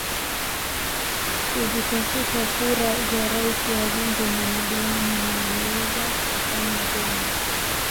Kuzitafuta kura za Rais wabunge na madiwani na aliweza kufanya vyema